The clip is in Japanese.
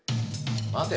待て。